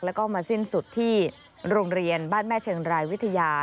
แล้วก็มาสิ้นสุดที่โรงเรียนบ้านแม่เชียงรายวิทยา